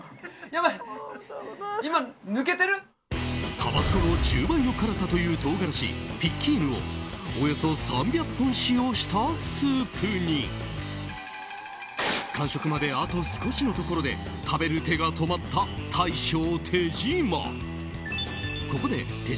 タバスコの１０倍の辛さという唐辛子、ピッキーヌをおよそ３００本使用したスープに完食まであと少しのところで食べる手が止まった大将・手島。